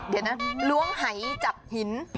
เดี๋ยวนะล้วงหายจับหิน